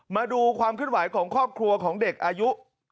มาดูความเคลื่อนไหวของครอบครัวของเด็กอายุ